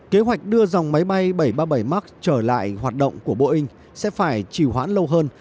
kế hoạch đưa dòng máy bay bảy trăm ba mươi bảy max trở lại hoạt động của boeing sẽ phải trì hoãn lâu hơn